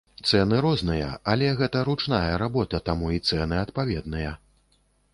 Цэны розныя, але гэта ручная работа, таму і цэны адпаведныя.